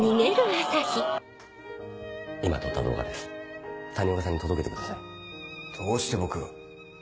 今撮った動画です谷岡さんに届けてくださいどうして僕が？